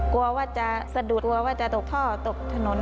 กลัวว่าจะสะดุดกลัวว่าจะตกท่อตกถนนอะไรอย่างนี้ครับ